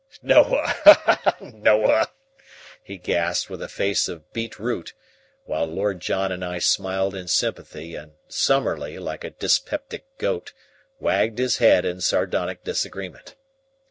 "Noah! Noah!" he gasped, with a face of beetroot, while Lord John and I smiled in sympathy and Summerlee, like a dyspeptic goat, wagged his head in sardonic disagreement.